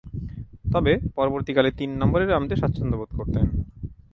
তবে, পরবর্তীকালে তিন নম্বরে নামতে স্বাচ্ছন্দ্যবোধ করতেন।